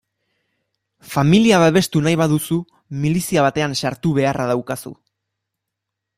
Familia babestu nahi baduzu, milizia batean sartu beharra daukazu.